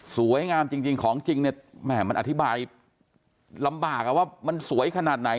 สวยงามจริงของจริงเนี่ยแม่มันอธิบายลำบากว่ามันสวยขนาดไหน